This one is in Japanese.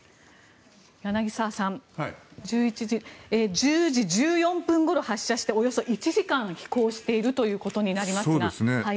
柳澤さん１０時１４分ごろ発射しておよそ１時間飛行しているということになりますが。